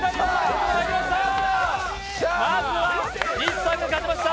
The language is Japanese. まずは西さんが勝ちました。